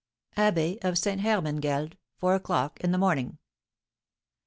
ABBEY OF STE. HERMANGELD. Four o'clock in the morning.